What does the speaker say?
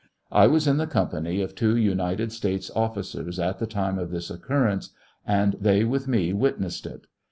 1 was in the company of two United States officers at the time of this occurrence, and they with me witness ed it.